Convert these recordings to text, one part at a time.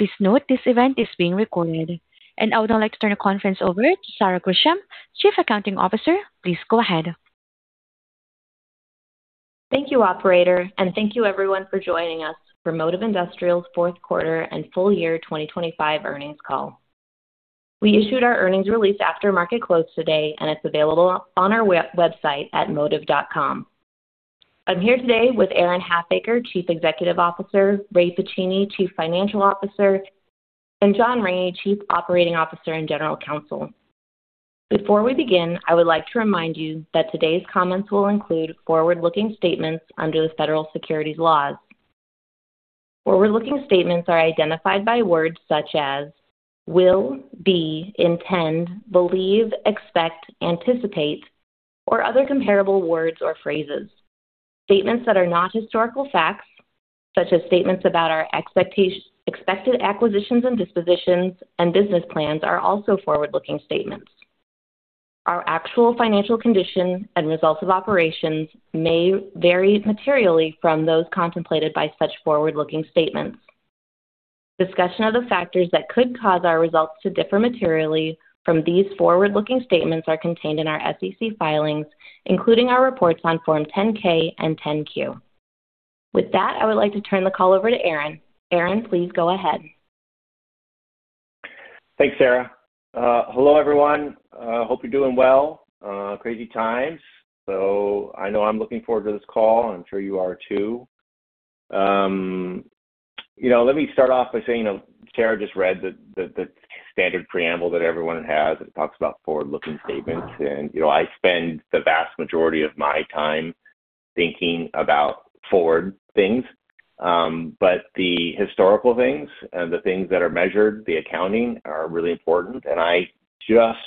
Please note this event is being recorded. I would now like to turn the conference over to Sarah Grisham, Chief Accounting Officer. Please go ahead. Thank you, operator, and thank you everyone for joining us for Modiv Industrial's fourth quarter and full year 2025 earnings call. We issued our earnings release after market close today, and it's available on our website at modiv.com. I'm here today with Aaron Halfacre, Chief Executive Officer, Ray Pacini, Chief Financial Officer, and John Raney, Chief Operating Officer and General Counsel. Before we begin, I would like to remind you that today's comments will include forward-looking statements under the federal securities laws. Forward-looking statements are identified by words such as will, be, intend, believe, expect, anticipate, or other comparable words or phrases. Statements that are not historical facts, such as statements about our expected acquisitions and dispositions and business plans are also forward-looking statements. Our actual financial condition and results of operations may vary materially from those contemplated by such forward-looking statements. Discussion of the factors that could cause our results to differ materially from these forward-looking statements are contained in our SEC filings, including our reports on Form 10-K and 10-Q. With that, I would like to turn the call over to Aaron. Aaron, please go ahead. Thanks, Sarah. Hello, everyone. Hope you're doing well. Crazy times. I know I'm looking forward to this call. I'm sure you are too. You know, let me start off by saying, you know, Sarah just read the standard preamble that everyone has. It talks about forward-looking statements. You know, I spend the vast majority of my time thinking about forward things. The historical things and the things that are measured, the accounting, are really important. I just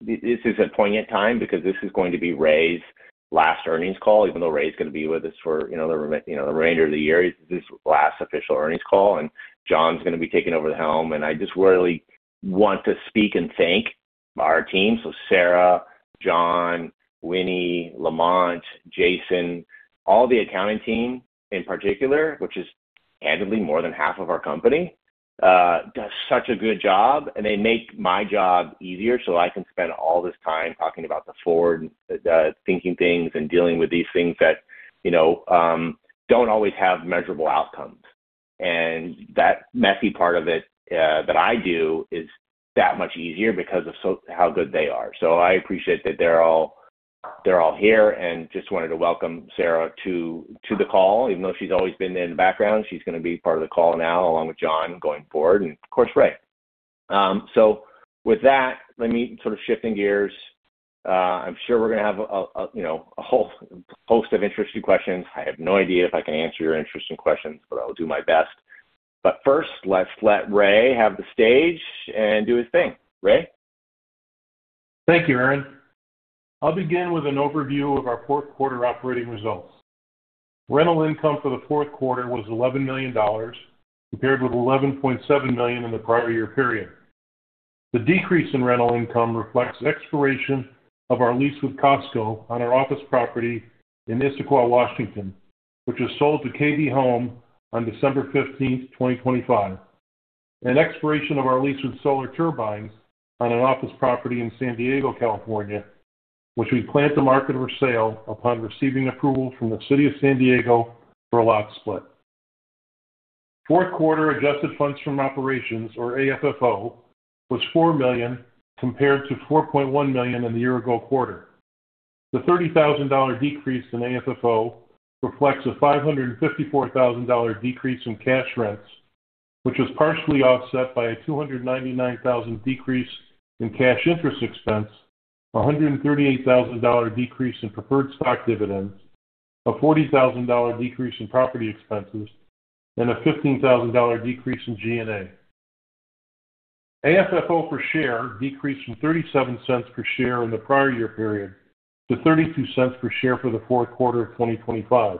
this is a poignant time because this is going to be Ray's last earnings call, even though Ray's gonna be with us for, you know, the remainder of the year. This is his last official earnings call, and John's gonna be taking over the helm. I just really want to speak and thank our team. Sarah, John, Winnie, Lamont, Jason, all the accounting team in particular, which is handily more than half of our company, does such a good job, and they make my job easier so I can spend all this time talking about the forward thinking things and dealing with these things that, you know, don't always have measurable outcomes. That messy part of it that I do is that much easier because of how good they are. I appreciate that they're all here and just wanted to welcome Sarah to the call. Even though she's always been there in the background, she's gonna be part of the call now along with John going forward, and of course, Ray. With that, let me sort of shifting gears. I'm sure we're going to have you know, a whole host of interesting questions. I have no idea if I can answer your interesting questions, but I'll do my best. First, let's let Ray have the stage and do his thing. Ray. Thank you, Aaron. I'll begin with an overview of our fourth quarter operating results. Rental income for the fourth quarter was $11 million, compared with $11.7 million in the prior year period. The decrease in rental income reflects expiration of our lease with Costco on our office property in Issaquah, Washington, which was sold to KB Home on December 15th, 2025. An expiration of our lease with Solar Turbines on an office property in San Diego, California, which we plan to market for sale upon receiving approval from the city of San Diego for a lot split. Fourth quarter adjusted funds from operations, or AFFO, was $4 million compared to $4.1 million in the year ago quarter. The $30,000 decrease in AFFO reflects a $554,000 decrease in cash rents, which was partially offset by a $299,000 decrease in cash interest expense, a $138,000 decrease in preferred stock dividends, a $40,000 decrease in property expenses, and a $15,000 decrease in G&A. AFFO per share decreased from $0.37 per share in the prior year period to $0.32 per share for the fourth quarter of 2025.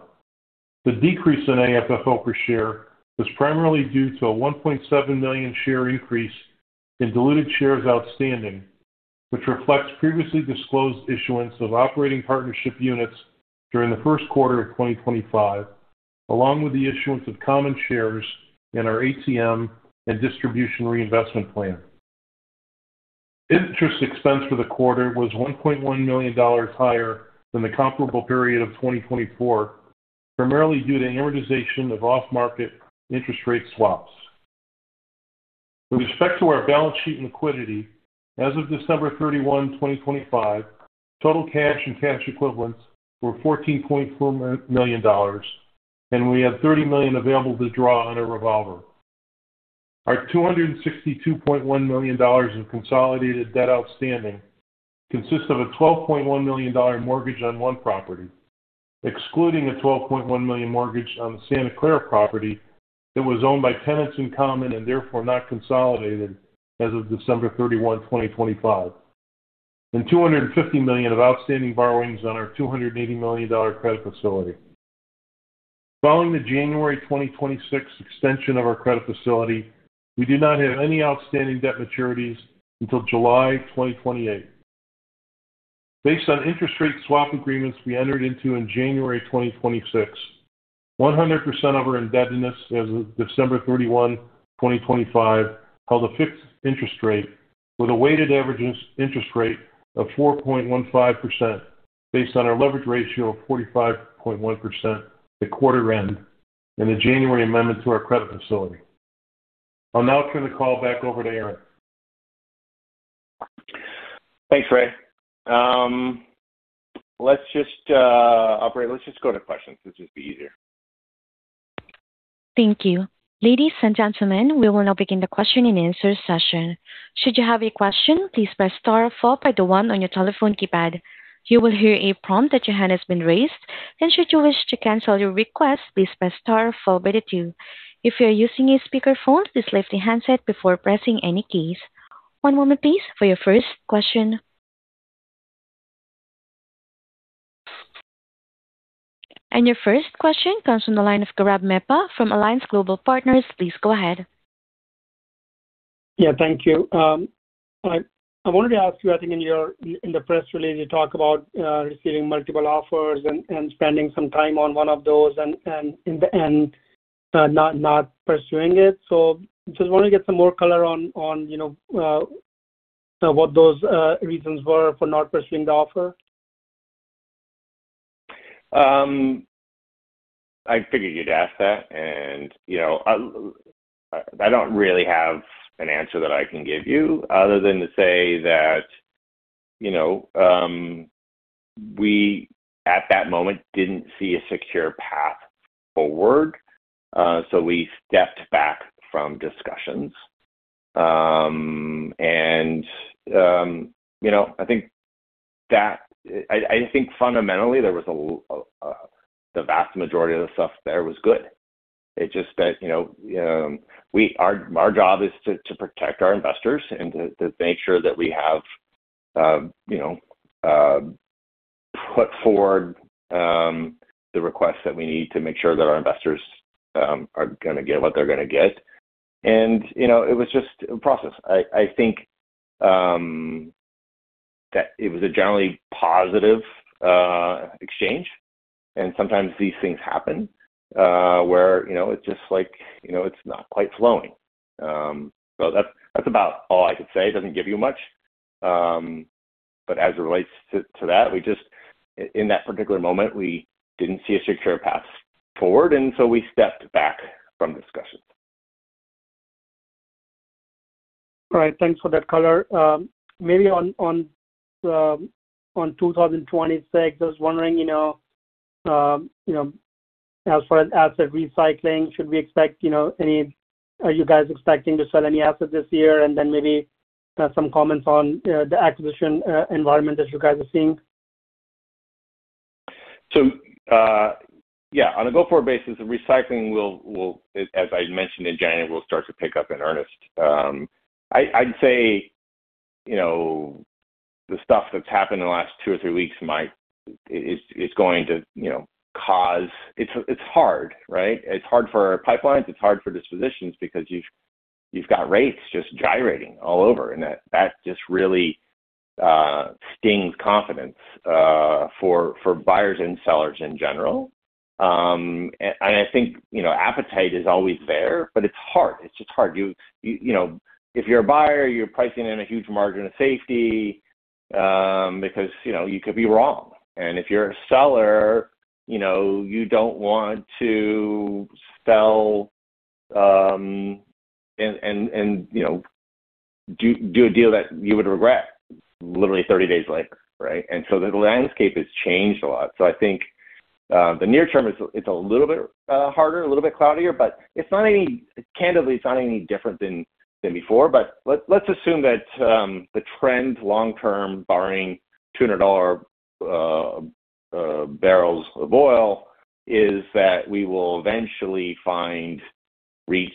The decrease in AFFO per share was primarily due to a 1.7 million share increase in diluted shares outstanding, which reflects previously disclosed issuance of operating partnership units during the first quarter of 2025, along with the issuance of common shares in our ATM and distribution reinvestment plan. Interest expense for the quarter was $1.1 million higher than the comparable period of 2024, primarily due to amortization of off-market interest rate swaps. With respect to our balance sheet liquidity, as of December 31, 2025, total cash and cash equivalents were $14.4 million, and we had $30 million available to draw on our revolver. Our $262.1 million in consolidated debt outstanding consists of a $12.1 million mortgage on one property, excluding a $12.1 million mortgage on the Santa Clara property that was owned by tenants in common and therefore not consolidated as of December 31, 2025, and $250 million of outstanding borrowings on our $280 million credit facility. Following the January 2026 extension of our credit facility, we do not have any outstanding debt maturities until July 2028. Based on interest rate swap agreements we entered into in January 2026, 100% of our indebtedness as of December 31, 2025 held a fixed interest rate with a weighted average interest rate of 4.15% based on our leverage ratio of 45.1% at quarter end and the January amendment to our credit facility. I'll now turn the call back over to Aaron. Thanks, Ray. Operator, let's just go to questions. This will be easier. Thank you. Ladies and gentlemen, we will now begin the question-and-answer session. Should you have a question, please press star four pound one on your telephone keypad. You will hear a prompt that your hand has been raised, and should you wish to cancel your request, please press star four pound two. If you're using a speakerphone, please lift the handset before pressing any keys. One moment please for your first question. Your first question comes from the line of Gaurav Mehta from Alliance Global Partners. Please go ahead. Yeah, thank you. I wanted to ask you, I think in your press release you talk about receiving multiple offers and spending some time on one of those and in the end not pursuing it. Just want to get some more color on you know what those reasons were for not pursuing the offer. I figured you'd ask that and, you know, I don't really have an answer that I can give you other than to say that, you know, we at that moment didn't see a secure path forward, so we stepped back from discussions. You know, I think fundamentally the vast majority of the stuff there was good. It's just that, you know, our job is to protect our investors and to make sure that we have put forward the requests that we need to make sure that our investors are gonna get what they're going to get. You know, it was just a process. I think that it was a generally positive exchange, and sometimes these things happen where you know it's just like you know it's not quite flowing. That's about all I can say. It doesn't give you much. As it relates to that, we just in that particular moment didn't see a secure path forward, and we stepped back from discussions. All right. Thanks for that color. Maybe on 2026, I was wondering, you know, you know, as far as asset recycling, should we expect, you know, any? Are you guys expecting to sell any assets this year? Then maybe some comments on the acquisition environment as you guys are seeing. On a go-forward basis, the recycling will, as I mentioned in January, start to pick up in earnest. I'd say, you know, the stuff that's happened in the last two or three weeks might be going to, you know, cause. It's hard, right? It's hard for our pipelines, it's hard for dispositions because you've got rates just gyrating all over, and that just really stings confidence for buyers and sellers in general. And I think, you know, appetite is always there, but it's hard. It's just hard. You know, if you're a buyer, you're pricing in a huge margin of safety, because, you know, you could be wrong. If you're a seller, you know, you don't want to sell and you know do a deal that you would regret literally 30 days later, right? The landscape has changed a lot. I think the near term is, it's a little bit harder, a little bit cloudier, but it's not any different than before. Candidly, it's not any different than before. Let's assume that the trend long term barring $200 barrels of oil is that we will eventually find REITs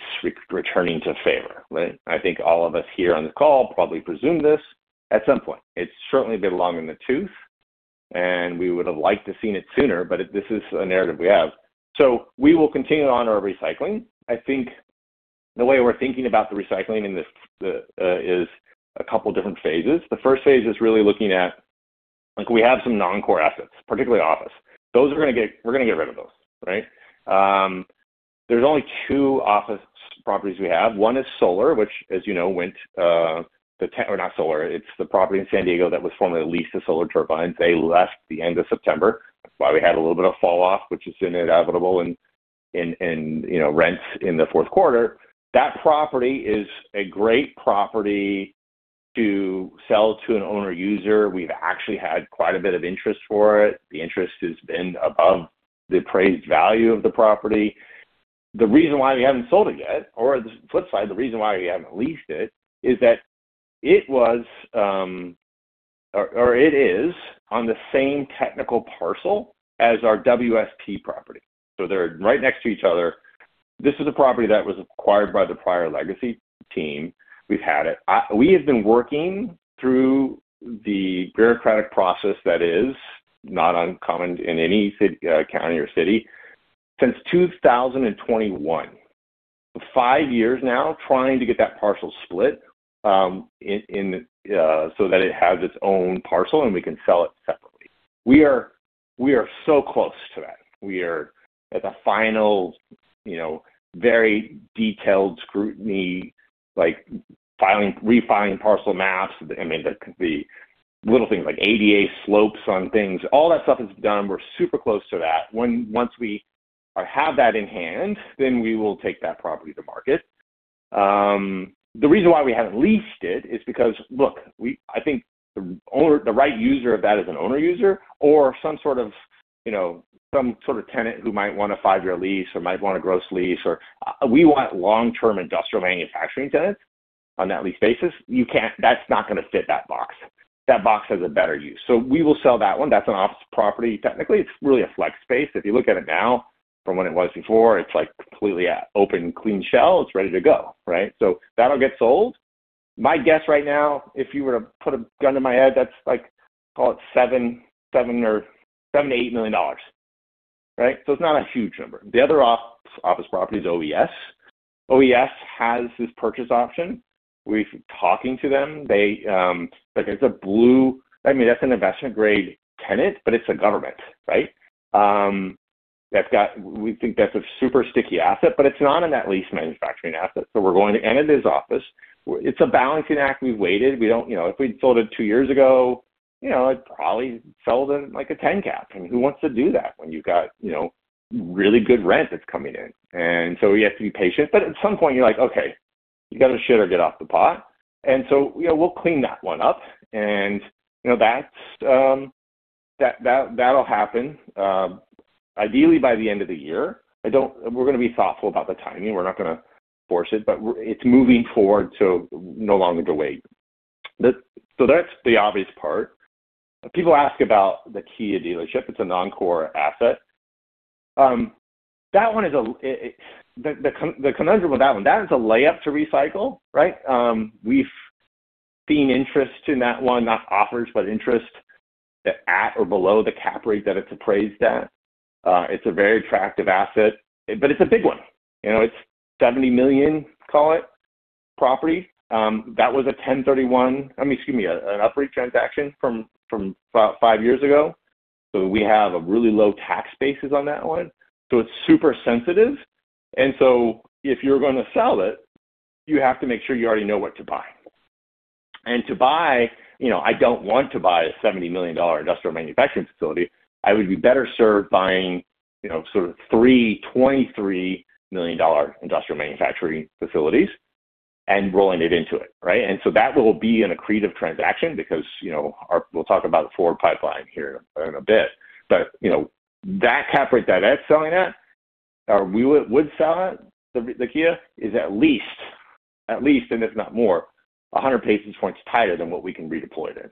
returning to favor, right? I think all of us here on the call probably presume this at some point. It's certainly been long in the tooth, and we would have liked to seen it sooner, but this is a narrative we have. We will continue on our recycling. I think the way we're thinking about the recycling in this is a couple different phases. The first phase is really looking at, like we have some non-core assets, particularly office. Those we're gonna get rid of those, right? There's only two office properties we have. One is Solar, which, as you know, went. Or not Solar, it's the property in San Diego that was formerly leased to Solar Turbines. They left the end of September. That's why we had a little bit of fall off, which is inevitable in you know, rents in the fourth quarter. That property is a great property to sell to an owner user. We've actually had quite a bit of interest for it. The interest has been above the appraised value of the property. The reason why we haven't sold it yet, or the flip side, the reason why we haven't leased it, is that it is on the same technical parcel as our WSP property. They're right next to each other. This is a property that was acquired by the prior legacy team. We've had it. We have been working through the bureaucratic process that is not uncommon in any city, county or city since 2021, five years now trying to get that parcel split, so that it has its own parcel, and we can sell it separately. We are so close to that. We are at the final, you know, very detailed scrutiny, like refining parcel maps. I mean, the little things like ADA slopes on things. All that stuff is done. We're super close to that. Once we have that in hand, then we will take that property to market. The reason why we haven't leased it is because, look, I think the right user of that is an owner user or some sort of, you know, some sort of tenant who might want a five-year lease or might want a gross lease or, we want long-term industrial manufacturing tenants on that lease basis. That's not gonna fit that box. That box has a better use. We will sell that one. That's an office property. Technically, it's really a flex space. If you look at it now from what it was before, it's like completely an open, clean shell. It's ready to go, right? That'll get sold. My guess right now, if you were to put a gun to my head, that's like, call it $7 million-$8 million, right? So it's not a huge number. The other office property is OES. OES has this purchase option. Talking to them, I mean, that's an investment-grade tenant, but it's a government, right? We think that's a super sticky asset, but it's not a net lease manufacturing asset, so we're going to end it as office. It's a balancing act. We've waited. We don't. You know, if we'd sold it two years ago, you know, it probably sell to like a 10 cap. I mean, who wants to do that when you've got, you know, really good rent that's coming in? We have to be patient, but at some point you're like, "Okay, you gotta shit or get off the pot." You know, we'll clean that one up and, you know, that'll happen, ideally by the end of the year. We're gonna be thoughtful about the timing. We're not gonna force it, but it's moving forward, so no longer to wait. So that's the obvious part. People ask about the Kia dealership. It's a non-core asset. That one is a... The conundrum with that one, that is a layup to recycle, right? We've seen interest in that one, not offers, but interest at or below the cap rate that it's appraised at. It's a very attractive asset, but it's a big one. You know, it's $70 million, call it, property. That was a 1031, I mean, excuse me, an operating transaction from about five years ago, so we have a really low tax basis on that one, so it's super sensitive. If you're gonna sell it, you have to make sure you already know what to buy. To buy, you know, I don't want to buy a $70 million industrial manufacturing facility. I would be better served buying, you know, sort of three $23 million industrial manufacturing facilities and rolling it into it, right? That will be an accretive transaction because, you know, we'll talk about the forward pipeline here in a bit. You know, that cap rate that it's selling at, or we would sell it, the Kia, is at least, and if not more, 100 basis points tighter than what we can redeploy it in.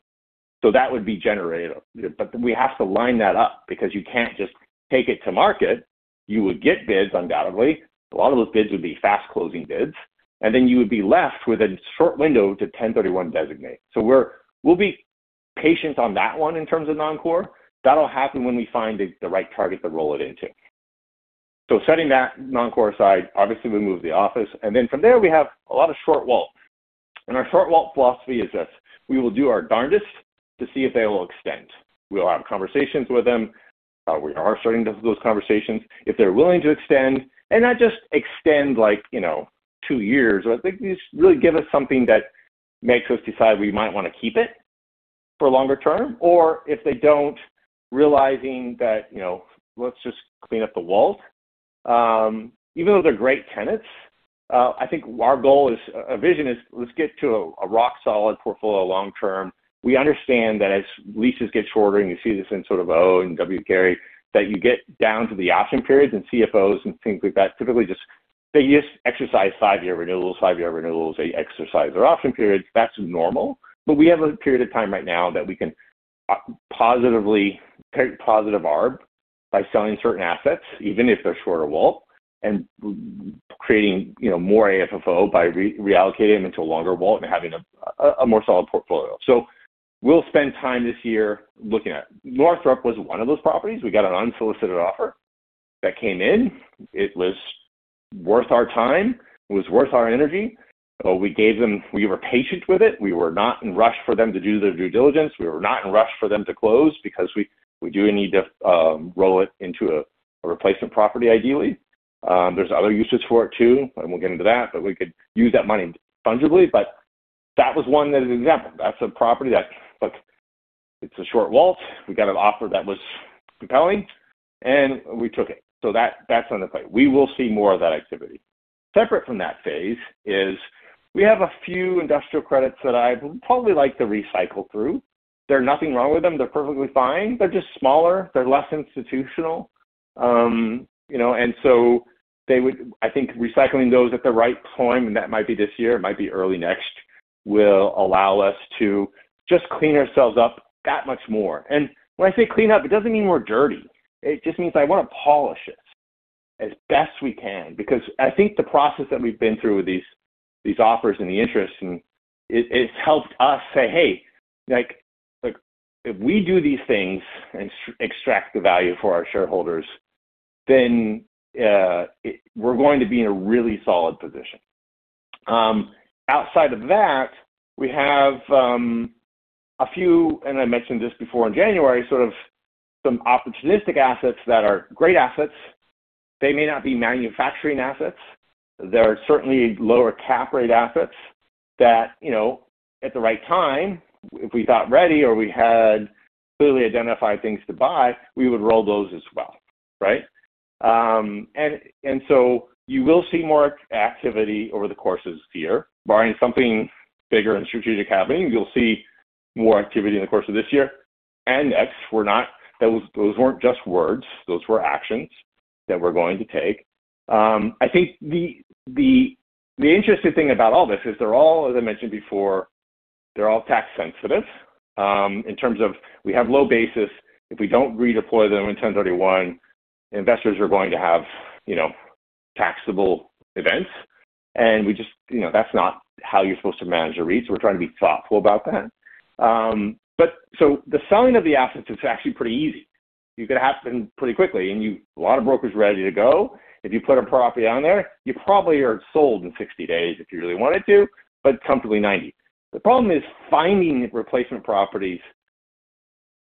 That would be generative, but we have to line that up because you can't just take it to market. You would get bids undoubtedly. A lot of those bids would be fast closing bids, and then you would be left with a short window to 1031 designate. We're. We'll be patient on that one in terms of non-core. That'll happen when we find the right target to roll it into. Setting that non-core aside, obviously we move the office, and then from there we have a lot of short WALT. Our short WALT philosophy is this. We will do our darndest to see if they will extend. We will have conversations with them. We are starting to have those conversations. If they're willing to extend, and not just extend like, you know, two years, but they just really give us something that makes us decide we might wanna keep it for longer term. Or if they don't, realizing that, you know, let's just clean up the WALT. Even though they're great tenants, I think our goal is, our vision is let's get to a rock solid portfolio long term. We understand that as leases get shorter, and you see this in sort of W. P. Carey, that you get down to the option periods and CFOs and things like that. Typically, they exercise five-year renewals. They exercise their option periods. That's normal. We have a period of time right now that we can positively take positive arb by selling certain assets, even if they're shorter WALT, and creating, you know, more AFFO by reallocating them into a longer WALT and having a more solid portfolio. We'll spend time this year looking at Northrop. Northrop was one of those properties. We got an unsolicited offer that came in. It was worth our time. It was worth our energy. We gave them. We were patient with it. We were not in rush for them to do their due diligence. We were not in rush for them to close because we do need to roll it into a replacement property, ideally. There's other uses for it too, and we'll get into that, but we could use that money fungibly. That was one, as an example. That's a property that, look, it's a short WALT. We got an offer that was compelling, and we took it. That's the play. We will see more of that activity. Separate from that phase is we have a few industrial credits that I'd probably like to recycle through. There's nothing wrong with them. They're perfectly fine. They're just smaller. They're less institutional. You know, and so they would, I think recycling those at the right time, and that might be this year, it might be early next, will allow us to just clean ourselves up that much more. When I say clean up, it doesn't mean we're dirty. It just means I wanna polish it as best we can because I think the process that we've been through with these offers and the interest, and it's helped us say, "Hey, like, if we do these things and extract the value for our shareholders, then, we're going to be in a really solid position." Outside of that, we have a few, and I mentioned this before in January, sort of some opportunistic assets that are great assets. They may not be manufacturing assets. They're certainly lower cap rate assets that, you know, at the right time, if we got ready or we had clearly identified things to buy, we would roll those as well, right? And so you will see more activity over the course of this year. Barring something bigger and strategic happening, you'll see more activity in the course of this year and next. Those weren't just words, those were actions that we're going to take. I think the interesting thing about all this is they're all, as I mentioned before, they're all tax sensitive, in terms of we have low basis. If we don't redeploy them in 1031, investors are going to have, you know, taxable events. You know, that's not how you're supposed to manage a REIT, so we're trying to be thoughtful about that. The selling of the assets is actually pretty easy. It could happen pretty quickly, and a lot of brokers are ready to go. If you put a property on there, you probably are sold in 60 days if you really wanted to, but comfortably 90. The problem is finding replacement properties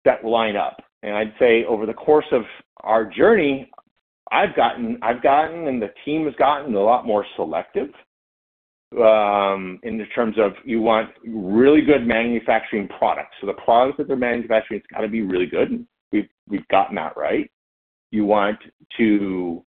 that line up. I'd say over the course of our journey, I've gotten and the team has gotten a lot more selective in terms of you want really good manufacturing products. The products that they're manufacturing, it's got to be really good, and we've gotten that right. You want to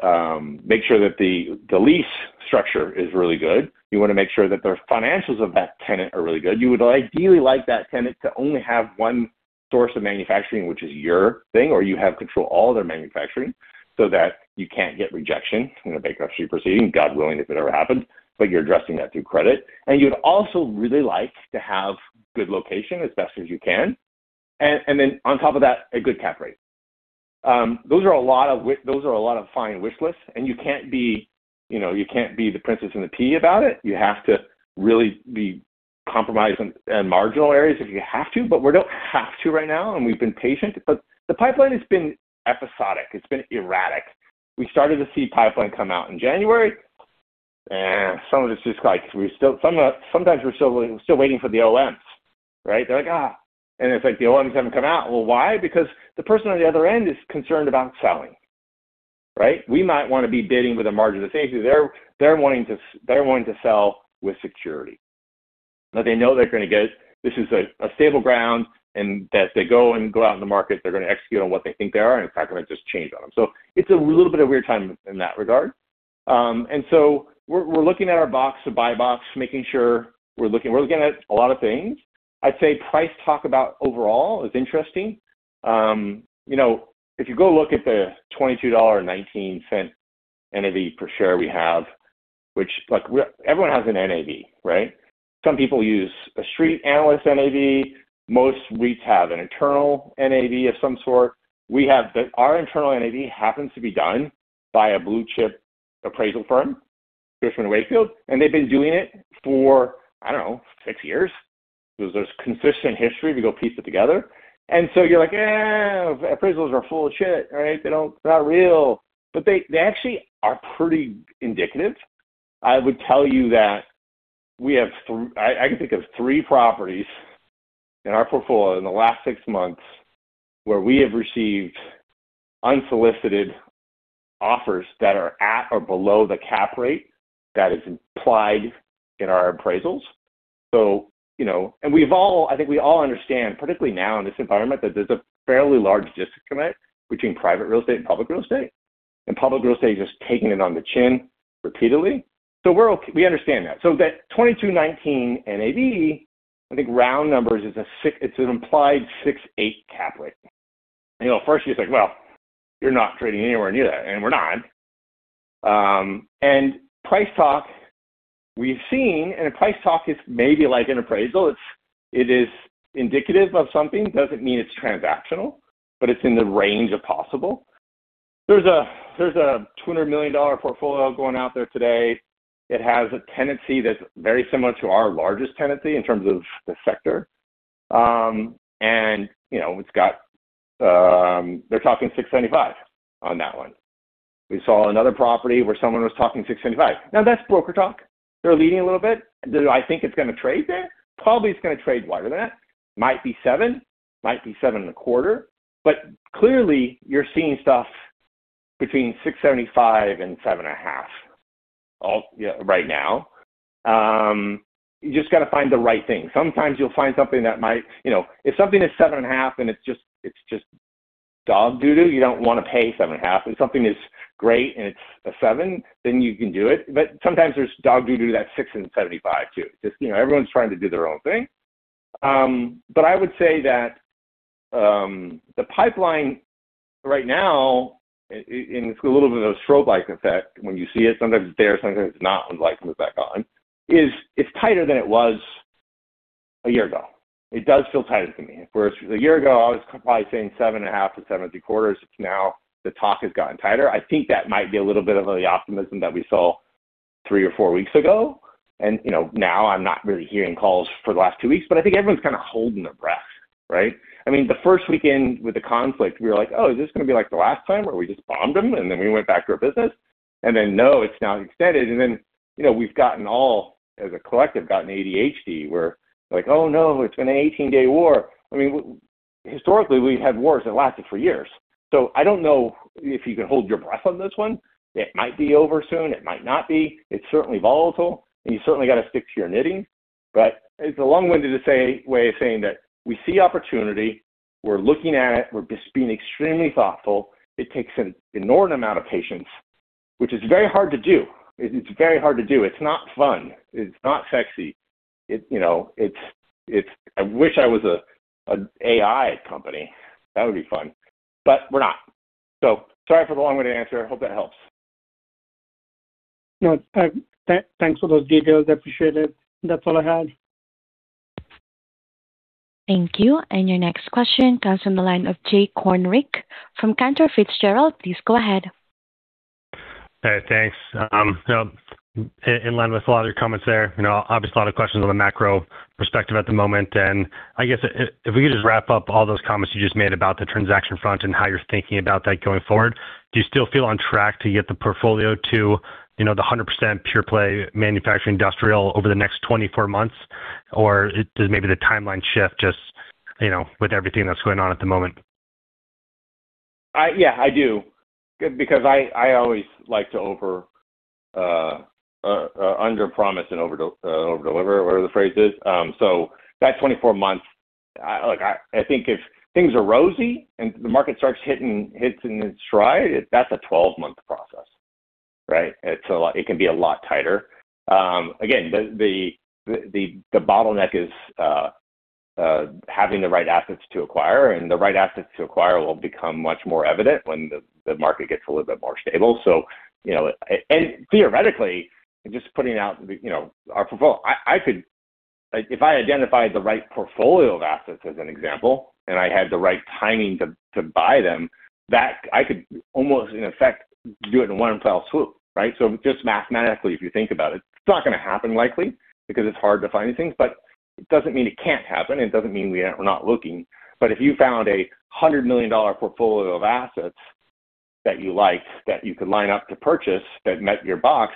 make sure that the lease structure is really good. You want to make sure that the financials of that tenant are really good. You would ideally like that tenant to only have one source of manufacturing, which is your thing, or you have control of all their manufacturing so that you can't get rejection in a bankruptcy proceeding, God willing, if it ever happens, but you're addressing that through credit. You'd also really like to have good location as best as you can, and then on top of that, a good cap rate. Those are a lot of fine wish lists, and you can't be, you know, you can't be the princess and the pea about it. You have to really be compromised in marginal areas if you have to, but we don't have to right now, and we've been patient. The pipeline has been episodic. It's been erratic. We started to see pipeline come out in January, and some of it's just like we're still waiting for the OMs, right? They're like the OMs haven't come out. Well, why? Because the person on the other end is concerned about selling, right? We might want to be bidding with a margin of safety. They're wanting to sell with security that they know they're gonna get. This is a stable ground, and that they go out in the market, they're gonna execute on what they think they are, and it's not gonna just change on them. It's a little bit of weird timing in that regard. We're looking at our box, the buy box, making sure we're looking. We're looking at a lot of things. I'd say price talk about overall is interesting. You know, if you go look at the $22.19 NAV per share we have. Everyone has an NAV, right? Some people use a street analyst NAV. Most REITs have an internal NAV of some sort. Our internal NAV happens to be done by a blue chip appraisal firm, Cushman & Wakefield, and they've been doing it for, I don't know, six years. There's consistent history if you go piece it together. You're like, "Eh, appraisals are full of shit," right? "They're not real." But they actually are pretty indicative. I would tell you that we have three. I can think of three properties in our portfolio in the last six months where we have received unsolicited offers that are at or below the cap rate that is implied in our appraisals. You know, we've all, I think we all understand, particularly now in this environment, that there's a fairly large disconnect between private real estate and public real estate, and public real estate is just taking it on the chin repeatedly. We're we understand that. That $22.19 NAV, I think round numbers is a six. It's an implied 6-8 cap rate. You know, at first you're just like, "Well, you're not trading anywhere near that," and we're not. Price talk, we've seen, and price talk is maybe like an appraisal. It is indicative of something. It doesn't mean it's transactional, but it's in the range of possible. There's a $200 million portfolio going out there today. It has a tenancy that's very similar to our largest tenancy in terms of the sector. You know, it's got. They're talking 6.75% on that one. We saw another property where someone was talking 6.75%. Now, that's broker talk. They're leading a little bit. Do I think it's gonna trade there? Probably, it's gonna trade wider than that. Might be 7%, might be 7.25%. Clearly, you're seeing stuff between 6.75% and 7.5% right now. You just got to find the right thing. Sometimes you'll find something. If something is 7.5% and it's just dog doo doo, you don't wanna pay 7.5%. If something is great and it's a 7%, then you can do it. Sometimes there's dog doo doo that's 6.75% too. Just, you know, everyone's trying to do their own thing. I would say that the pipeline right now, it's a little bit of a strobe light effect. When you see it, sometimes it's there, sometimes it's not, and the light comes back on. It's tighter than it was a year ago. It does feel tighter to me. Whereas a year ago, I was probably saying 7.5%-7.75%. Now the talk has gotten tighter. I think that might be a little bit of the optimism that we saw three or four weeks ago. You know, now I'm not really hearing calls for the last two weeks, but I think everyone's kind of holding their breath, right? I mean, the first weekend with the conflict, we were like, oh, is this going to be like the last time where we just bombed them and then we went back to our business? And then no, it's now extended. And then, you know, we've gotten all as a collective, gotten ADHD. We're like, oh no, it's been an 18-day war. I mean, historically, we've had wars that lasted for years. So I don't know if you can hold your breath on this one. It might be over soon. It might not be. It's certainly volatile. And you certainly got to stick to your knitting. But it's a long-winded way of saying that we see opportunity. We're looking at it. We're just being extremely thoughtful. It takes an inordinate amount of patience, which is very hard to do. It's very hard to do. It's not fun. It's not sexy. I wish I was an AI company. That would be fun, but we're not. Sorry for the long-winded answer. I hope that helps. No, thanks for those details. I appreciate it. That's all I had. Thank you. Your next question comes from the line of Jay Kornreich from Cantor Fitzgerald. Please go ahead. Hey, thanks. In line with a lot of your comments there, you know, obviously a lot of questions on the macro perspective at the moment. I guess if we could just wrap up all those comments you just made about the transaction front and how you're thinking about that going forward. Do you still feel on track to get the portfolio to, you know, 100% pure play manufacturing industrial over the next 24 months? Or does maybe the timeline shift just, you know, with everything that's going on at the moment? Yeah, I do. Because I always like to under promise and over deliver, whatever the phrase is. So that 24 months, look, I think if things are rosy and the market starts to hit its stride, that's a 12-month process, right? It can be a lot tighter. Again, the bottleneck is having the right assets to acquire, and the right assets to acquire will become much more evident when the market gets a little bit more stable. You know, and theoretically, just putting out our portfolio, I could. If I identified the right portfolio of assets as an example, and I had the right timing to buy them, that I could almost in effect do it in one fell swoop, right? Just mathematically, if you think about it's not going to happen likely because it's hard to find these things, but it doesn't mean it can't happen. It doesn't mean we're not looking. If you found a $100 million portfolio of assets that you like, that you could line up to purchase that met your box,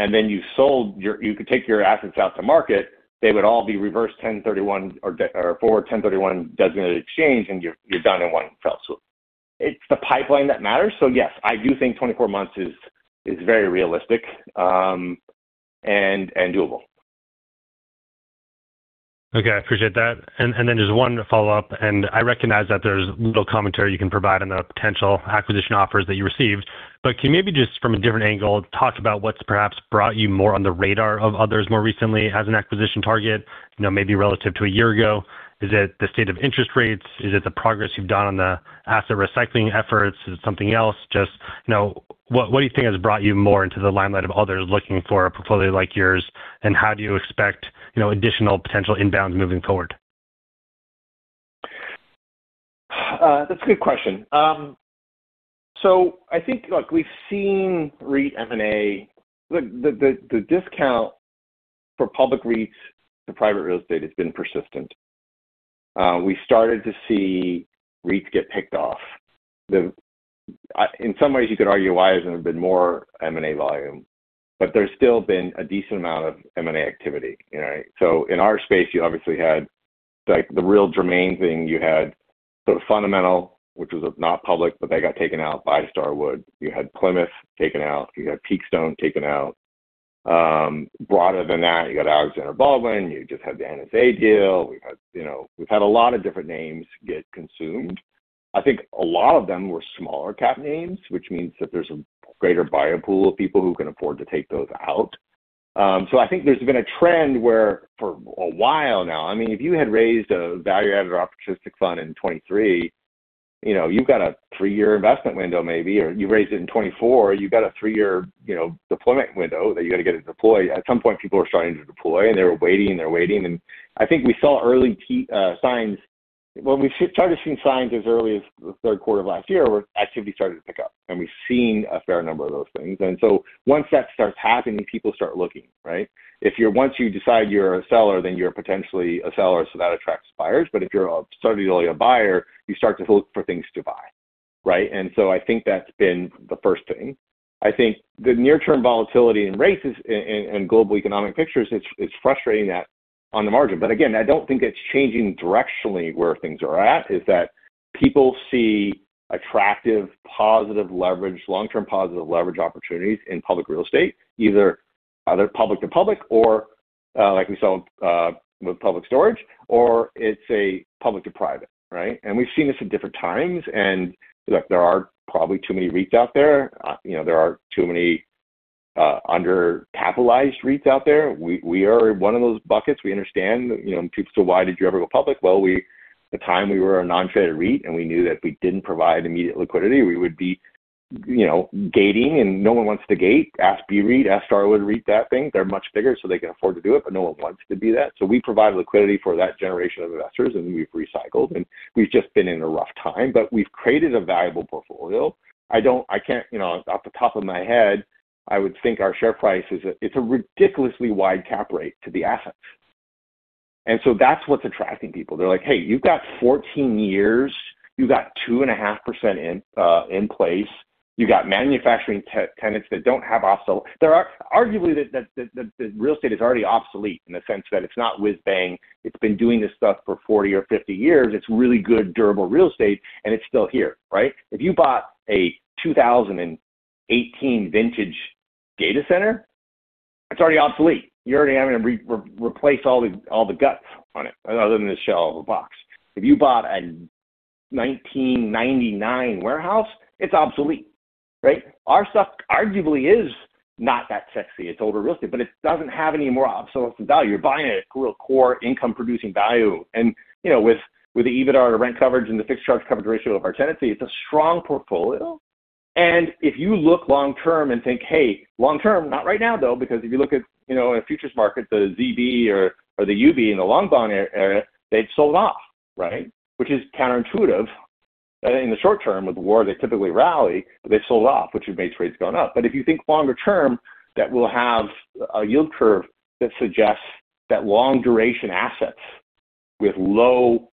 and then you could take your assets out to market, they would all be reverse 1031 exchange or forward 1031 exchange designated exchange, and you're done in one fell swoop. It's the pipeline that matters. Yes, I do think 24 months is very realistic, and doable. Okay. I appreciate that. Just one follow-up, and I recognize that there's little commentary you can provide on the potential acquisition offers that you received. Can you maybe just from a different angle, talk about what's perhaps brought you more on the radar of others more recently as an acquisition target, you know, maybe relative to a year ago? Is it the state of interest rates? Is it the progress you've done on the asset recycling efforts? Is it something else? Just, you know, what do you think has brought you more into the limelight of others looking for a portfolio like yours, and how do you expect, you know, additional potential inbounds moving forward? That's a good question. I think, look, we've seen REIT M&A. The discount for public REITs to private real estate has been persistent. We started to see REITs get picked off. In some ways, you could argue why hasn't there been more M&A volume, but there's still been a decent amount of M&A activity, you know. In our space, you obviously had like the really germane thing, you had sort of Fundamental, which was not public, but they got taken out by Starwood. You had Plymouth taken out, you had Peakstone taken out. Broader than that, you got Alexander & Baldwin, you just had the NSA deal. You know, we've had a lot of different names get consumed. I think a lot of them were smaller cap names, which means that there's a greater buyer pool of people who can afford to take those out. I think there's been a trend where for a while now, I mean, if you had raised a value-added opportunistic fund in 2023, you know, you've got a three-year investment window maybe, or you raised it in 2024, you've got a three-year, you know, deployment window that you got to get it deployed. At some point, people are starting to deploy, and they're waiting. I think we saw early signs. Well, we started seeing signs as early as the third quarter of last year where activity started to pick up, and we've seen a fair number of those things. Once that starts happening, people start looking, right? Once you decide you're a seller, then you're potentially a seller, so that attracts buyers. If you're solely a buyer, you start to look for things to buy, right? I think that's been the first thing. I think the near-term volatility in rates and in global economic pictures is frustrating on the margin. Again, I don't think it's changing directionally where things are at, that people see attractive, positive leverage, long-term positive leverage opportunities in public real estate, either public to public or, like we saw, with Public Storage, or it's a public to private, right? We've seen this at different times, and look, there are probably too many REITs out there. You know, there are too many undercapitalized REITs out there. We are one of those buckets. We understand, you know, people say, "Why did you ever go public?" Well, we at the time we were a non-traded REIT, and we knew that if we didn't provide immediate liquidity, we would be, you know, gating, and no one wants to gate. Ask BREIT, ask Starwood REIT that thing. They're much bigger, so they can afford to do it, but no one wants to do that. We provide liquidity for that generation of investors, and we've recycled, and we've just been in a rough time. We've created a valuable portfolio. I don't, I can't, you know, off the top of my head, I would think our share price is, it's a ridiculously wide cap rate to the assets. That's what's attracting people. They're like, "Hey, you've got 14 years. You've got 2.5% in place. You got manufacturing tenants that don't have obsolete. There are arguably the real estate is already obsolete in the sense that it's not whiz-bang. It's been doing this stuff for 40 or 50 years. It's really good, durable real estate, and it's still here, right? If you bought a 2018 vintage data center, it's already obsolete. You're already having to replace all the guts on it, other than the shell of a box. If you bought a 1999 warehouse, it's obsolete, right? Our stuff arguably is not that sexy. It's older real estate, but it doesn't have any more obsolescent value. You're buying it at real core income producing value. You know, with the EBITDA to rent coverage and the fixed charge coverage ratio of our tenancy, it's a strong portfolio. If you look long term and think, hey, long term, not right now, though, because if you look at, you know, in a futures market, the ZB or the UB in the long bond area, they've sold off, right? Which is counterintuitive. In the short term with the war they typically rally, but they sold off, which means rates going up. If you think longer term that we'll have a yield curve that suggests that long duration assets with low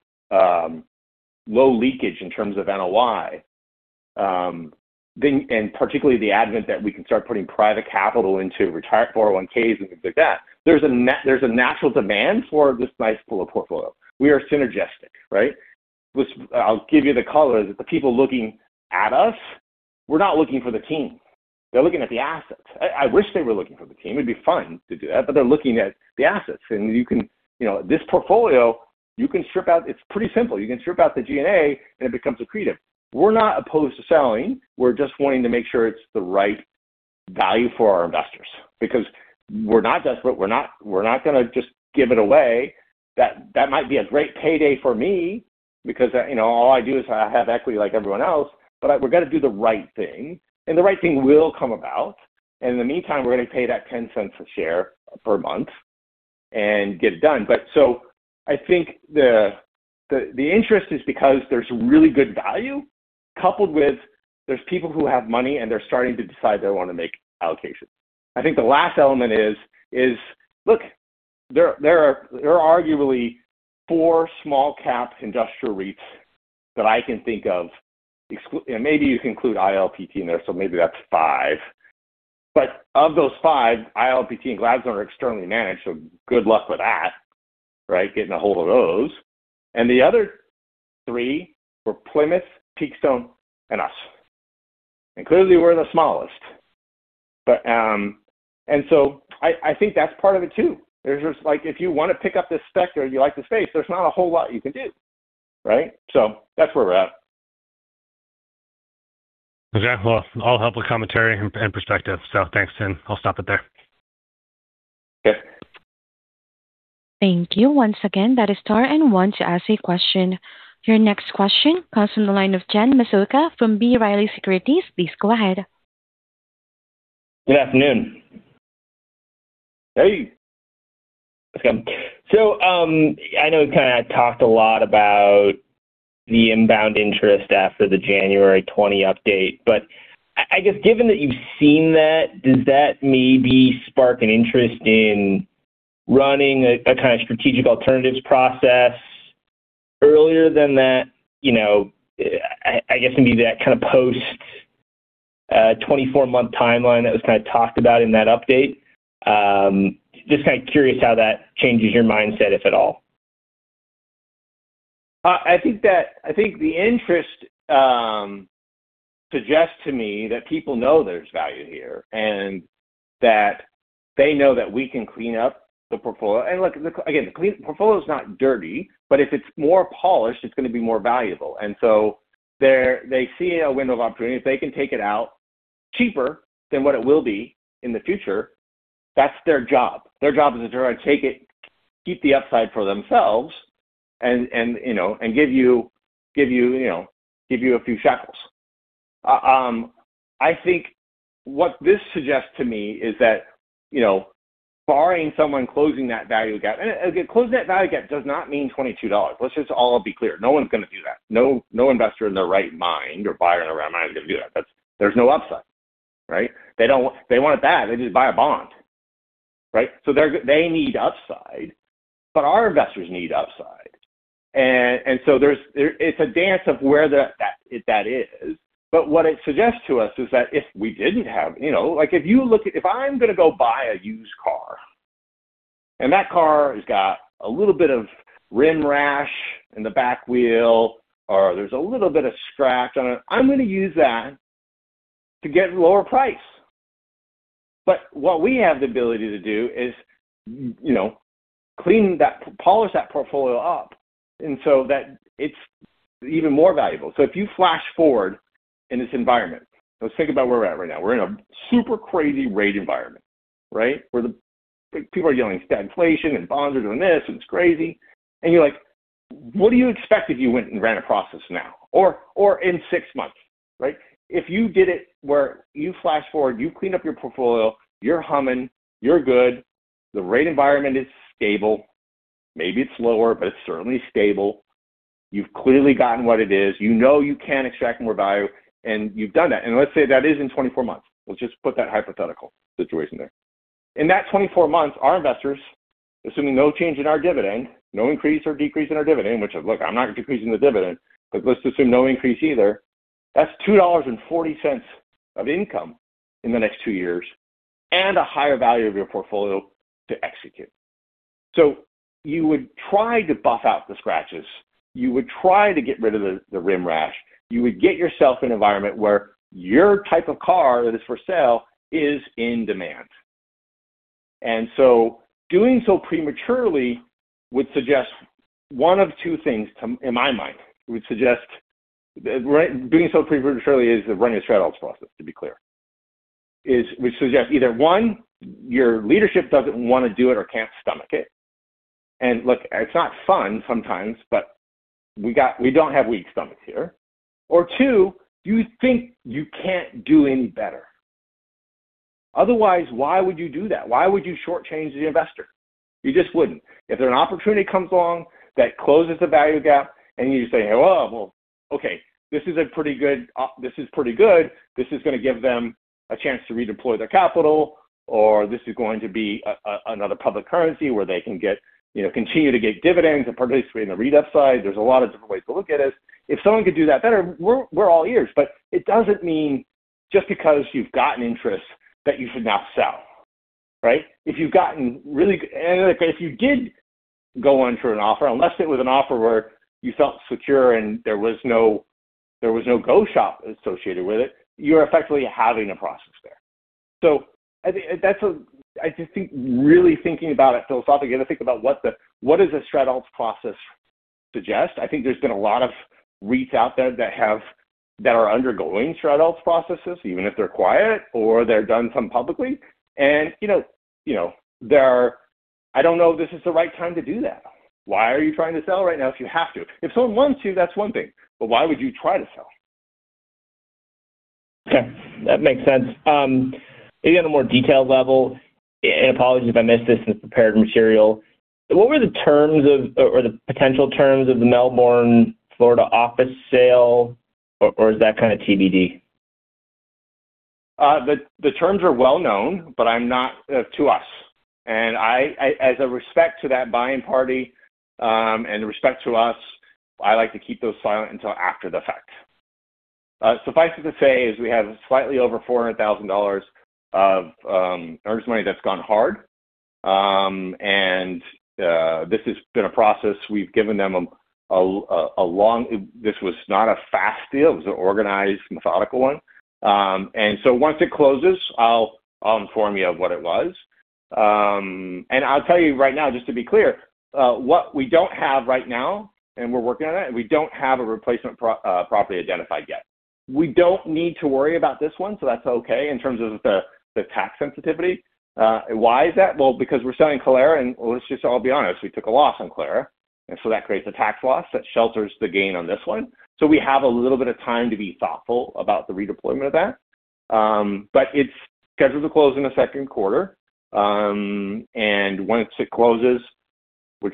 leakage in terms of NOI, then and particularly the advent that we can start putting private capital into retired 401(k)s and things like that, there's a natural demand for this nice pool of portfolio. We are synergistic, right? Which I'll give you the color. The people looking at us were not looking for the team. They're looking at the assets. I wish they were looking for the team. It'd be fun to do that, but they're looking at the assets. You can. You know, this portfolio, you can strip out. It's pretty simple. You can strip out the G&A, and it becomes accretive. We're not opposed to selling. We're just wanting to make sure it's the right value for our investors because we're not desperate. We're not gonna just give it away. That might be a great payday for me because, you know, all I do is I have equity like everyone else. But we're gonna do the right thing, and the right thing will come about. In the meantime, we're gonna pay that $0.10 per share per month and get it done. I think the interest is because there's really good value coupled with there's people who have money, and they're starting to decide they want to make allocations. I think the last element is look, there are arguably four small cap industrial REITs that I can think of. Maybe you can include ILPT in there, so maybe that's five. Of those five, ILPT and Gladstone are externally managed, so good luck with that, right? Getting a hold of those. The other three were Plymouth, Peakstone, and us. Clearly, we're the smallest. I think that's part of it too. There's just like if you want to pick up this sector, you like the space, there's not a whole lot you can do, right? That's where we're at. Okay. Well, all helpful commentary and perspective. Thanks, Aaron. I'll stop it there. Okay. Thank you once again. Your next question comes from the line of John Massocca from B. Riley Securities. Please go ahead. Good afternoon. Hey. I know we kind of talked a lot about the inbound interest after the January 20 update. I guess given that you've seen that, does that maybe spark an interest in running a kind of strategic alternatives process earlier than that? I guess maybe that kind of post 24-month timeline that was kind of talked about in that update. Just kind of curious how that changes your mindset, if at all. I think the interest suggests to me that people know there's value here and that they know that we can clean up the portfolio. Look, again, the portfolio is not dirty, but if it's more polished, it's gonna be more valuable. They see a window of opportunity. If they can take it out cheaper than what it will be in the future, that's their job. Their job is to try to take it, keep the upside for themselves and you know, give you a few shackles. I think what this suggests to me is that you know, barring someone closing that value gap, and again, closing that value gap does not mean $22. Let's just all be clear. No one's going to do that. No, no investor in their right mind or buyer in the right mind is going to do that. That's. There's no upside, right? They want it bad. They just buy a bond, right? They need upside, but our investors need upside. There's a dance of where that is. What it suggests to us is that if we didn't have. You know, like if you look at. If I'm going to go buy a used car, and that car has got a little bit of rim rash in the back wheel or there's a little bit of scratch on it, I'm going to use that to get lower price. What we have the ability to do is, you know, clean that, polish that portfolio up and so that it's even more valuable. If you flash forward in this environment. Let's think about where we're at right now. We're in a super crazy REIT environment. Right? Where the people are yelling stagflation and bonds are doing this and it's crazy. You're like, what do you expect if you went and ran a process now or in six months, right? If you did it where you flash forward, you clean up your portfolio, you're humming, you're good, the REIT environment is stable. Maybe it's lower, but it's certainly stable. You've clearly gotten what it is. You know you can extract more value, and you've done that. Let's say that is in 24 months. Let's just put that hypothetical situation there. In that 24 months, our investors, assuming no change in our dividend, no increase or decrease in our dividend, which, look, I'm not decreasing the dividend, but let's assume no increase either. That's $2.40 of income in the next two years and a higher value of your portfolio to execute. You would try to buff out the scratches. You would try to get rid of the rim rash. You would get yourself an environment where your type of car that is for sale is in demand. Doing so prematurely would suggest one of two things in my mind. Right? Doing so prematurely is running a strategic alternatives process, to be clear. It would suggest either, one, your leadership doesn't want to do it or can't stomach it. Look, it's not fun sometimes, but we don't have weak stomachs here. Or two, you think you can't do any better. Otherwise, why would you do that? Why would you shortchange the investor? You just wouldn't. If an opportunity comes along that closes the value gap and you say, "Oh, well, okay, this is pretty good. This is gonna give them a chance to redeploy their capital, or this is going to be another public currency where they can get, you know, continue to get dividends and participate in the upside." There's a lot of different ways to look at it. If someone could do that better, we're all ears, but it doesn't mean just because you've gotten interest that you should now sell, right? If you've gotten and if you did go in for an offer, unless it was an offer where you felt secure and there was no go shop associated with it, you're effectively having a process there. I think that's. I just think really thinking about it philosophically, and I think about what does a strategic alternatives process suggest. I think there's been a lot of REITs out there that are undergoing strategic alternatives processes, even if they're quiet or they've done some publicly. You know, there are. I don't know if this is the right time to do that. Why are you trying to sell right now if you have to? If someone wants you, that's one thing, but why would you try to sell? Okay, that makes sense. Maybe on a more detailed level, and apologies if I missed this in the prepared material, what were the terms or the potential terms of the Melbourne, Florida office sale, or is that kinda TBD? The terms are well known, but out of respect to that buying party, and out of respect to us, I like to keep those silent until after the fact. Suffice it to say we have slightly over $400,000 of earnest money that's gone hard. This has been a process. We've given them a long one. This was not a fast deal. It was an organized, methodical one. Once it closes, I'll inform you of what it was. I'll tell you right now, just to be clear, what we don't have right now. We're working on it, and we don't have a replacement property identified yet. We don't need to worry about this one, so that's okay in terms of the tax sensitivity. Why is that? Well, because we're selling Calera, and let's just all be honest, we took a loss on Calera, and so that creates a tax loss that shelters the gain on this one. We have a little bit of time to be thoughtful about the redeployment of that. It's scheduled to close in the second quarter, and once it closes, well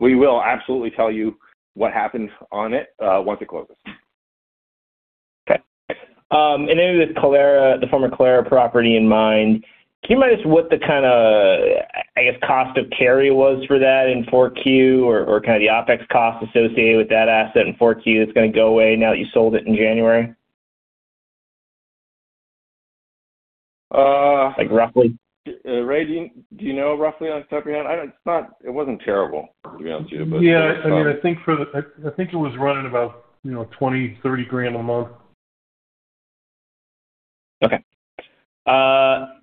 we will absolutely tell you what happened on it, once it closes. Okay. With Calera, the former Calera property in mind, can you remind us what the kind of, I guess, cost of carry was for that in 4Q or kind of the OpEx cost associated with that asset in 4Q that's gonna go away now that you sold it in January? Uh. Like roughly. Ray, do you know roughly off the top of your head? It's not, it wasn't terrible, to be honest with you. But Yeah. I mean, I think it was running about, you know, $20,000-$30,000 a month. Okay.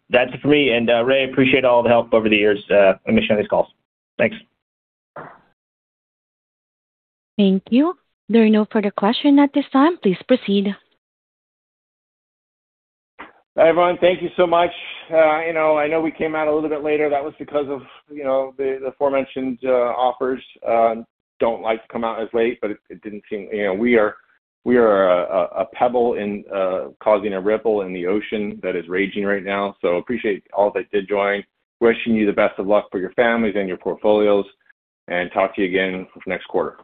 That's it for me. Ray, I appreciate all the help over the years and making sure these calls. Thanks. Thank you. There are no further questions at this time. Please proceed. Everyone, thank you so much. You know, I know we came out a little bit later. That was because of, you know, the aforementioned offers, we don't like to come out as late, but it didn't seem. You know, we are a pebble causing a ripple in the ocean that is raging right now. Appreciate all that you did join. Wishing you the best of luck for your families and your portfolios, and talk to you again next quarter.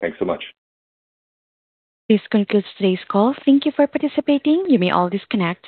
Thanks so much. This concludes today's call. Thank you for participating. You may all disconnect.